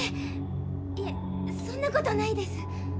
いえそんなことないです。